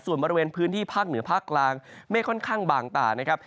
ส่วนบริเวณพื้นที่ภาคเหนือภาคกลางเมฆค่อนข้างบางตานะครับ